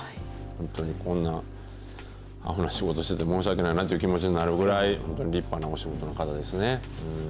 本当にこんなあほな仕事してて申し訳ないなという気持ちになるぐらい、本当に立派なお仕事の方ですね。